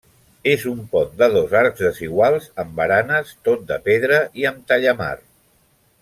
És un pont de dos arcs desiguals, amb baranes, tot de pedra i amb tallamar.